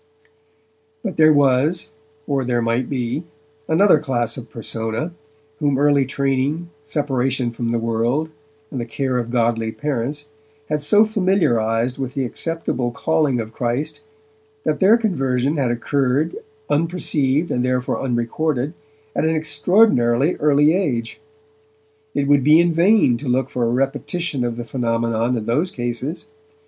But there was, or there might be, another class of persona, whom early training, separation from the world, and the care of godly parents had so early familiarized with the acceptable calling of Christ that their conversion had occurred, unperceived and therefore unrecorded, at an extraordinarily earl age. It would be in vain to look for a repetition of the phenomenon in those cases.